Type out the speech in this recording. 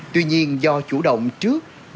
tuy nhiên do chủ động trước